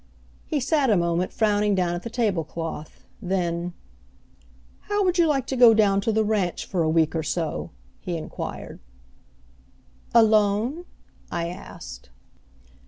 He sat a moment frowning down at the tablecloth; then, "How would you like to go down to the ranch for a week or so?" he inquired. "Alone?" I asked.